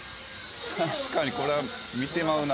・確かにこれは見てまうな・・